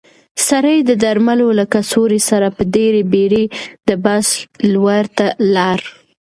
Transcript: سړی د درملو له کڅوړې سره په ډېرې بیړې د بس لور ته لاړ.